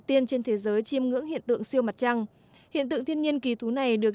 tiên trên thế giới chiêm ngưỡng hiện tượng siêu mặt trăng hiện tượng thiên nhiên kỳ thú này được